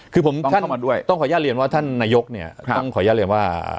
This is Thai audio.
คือผม๙๐ต้องขออนุญาตร้อนเชียร์ว่าท่านนายกต้องขออนุญาตร้อนเชียร์ว่า